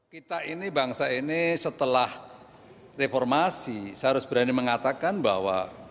kita ini bangsa ini setelah reformasi saya harus berani mengatakan bahwa